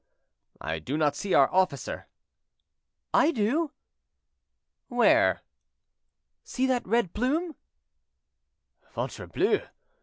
"I do not see our officer." "I do." "Where?" "See that red plume." "Ventrebleu!